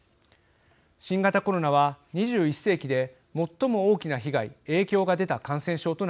新型コロナは２１世紀で最も大きな被害影響が出た感染症となりました。